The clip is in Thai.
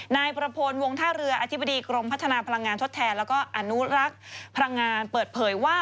นายประพลวงท่าเรืออธิบดีกรมพัฒนาพลังงานทดแทนแล้วก็อนุรักษ์พลังงานเปิดเผยว่า